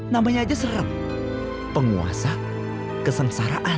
namanya aja serem penguasa kesengsaraan